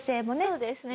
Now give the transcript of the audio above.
そうですね。